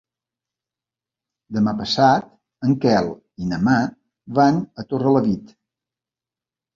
Demà passat en Quel i na Mar van a Torrelavit.